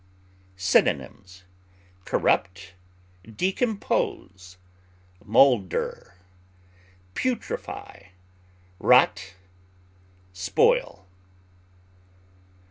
Synonyms: corrupt, decompose, molder, putrefy, rot, spoil.